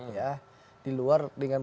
ya di luar